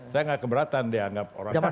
saya nggak keberatan dianggap orang masa lalu